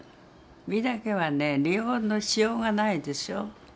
美だけはね利用のしようがないでしょ。